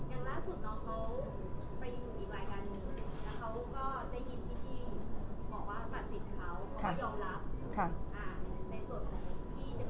แล้วเขาก็ได้ยินที่ที่บอกว่าฝัดศิษย์เขา